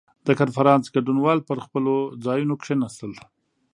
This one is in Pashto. • د کنفرانس ګډونوال پر خپلو ځایونو کښېناستل.